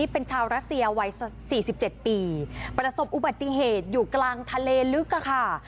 เป็นชาวรัสเซียวัย๔๗ปีประสบอุบัติเหตุอยู่กลางทะเลลึกค่ะ